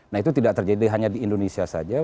nah itu tidak terjadi hanya di indonesia saja